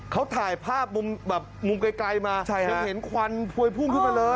เขาถ่ายภาพมุมแบบมุมไกลมายังเห็นควันพวยพุ่งขึ้นมาเลย